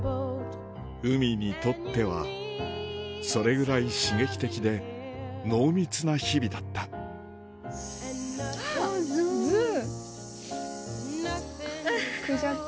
ウミにとってはそれぐらい刺激的で濃密な日々だったクジャク。